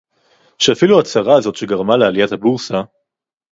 שאפילו ההצהרה הזאת שגרמה לעליית הבורסה